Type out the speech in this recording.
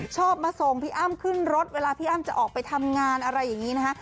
ชอบมาส่งพี่อ้ำขึ้นรถเวลาพี่อ้ำจะออกไปทำงานอะไรอย่างนี้นะฮะ